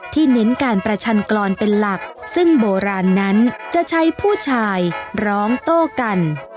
เน้นการประชันกรเป็นหลักซึ่งโบราณนั้นจะใช้ผู้ชายร้องโต้กัน